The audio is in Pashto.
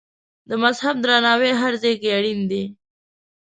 د مذهب درناوی هر ځای کې اړین دی.